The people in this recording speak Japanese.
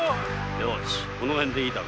よしこのへんでいいだろう。